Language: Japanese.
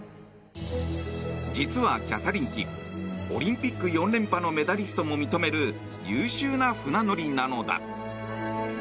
実は、キャサリン妃オリンピック４連覇のメダリストも認める優秀な船乗りなのだ。